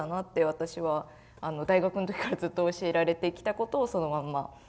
私は大学の時からずっと教えられてきたことをそのまんま。